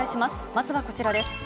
まずはこちらです。